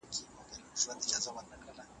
هر مسلمان باید د گناه د مخنيوي هڅه وکړي.